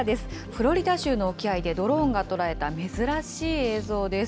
フロリダ州の沖合でドローンが捉えた珍しい映像です。